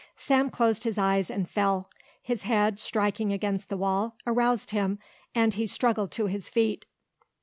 Sam closed his eyes and fell. His head, striking against the wall, aroused him and he struggled to his feet.